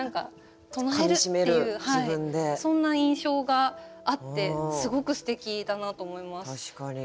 唱えるっていうそんな印象があってすごくすてきだなと思います。